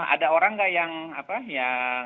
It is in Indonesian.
ada orang nggak yang apa ya